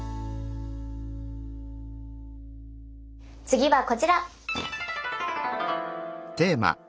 次はこちら。